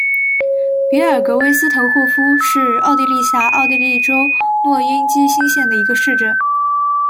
比尔格韦斯滕霍夫是奥地利下奥地利州诺因基兴县的一个市镇。